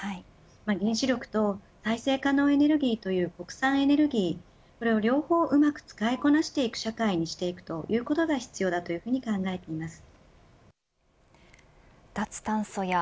原子力と再生可能エネルギーという国産エネルギーこれを両方うまく使いこなしていく社会にしていくということが必要だと考えています。